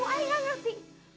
ayah nggak ngerti